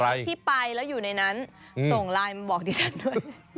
ที่ไปแล้วอยู่ในนั้นส่งไลน์มาบอกดิฉันด้วย